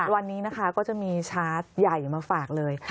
วันนี้นะคะก็จะมีชาร์จใหญ่มาฝากเลย